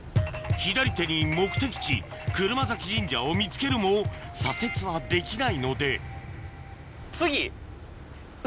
左手に目的地車折神社を見つけるも左折はできないので次？